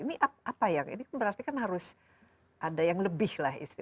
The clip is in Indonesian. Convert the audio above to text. ini apa yang ini kan berarti kan harus ada yang lebih lah istilahnya